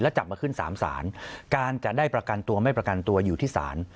แล้วจับมาขึ้นศาลการจะได้ประกันตัวไม่ประกันตัวอยู่ที่ศาล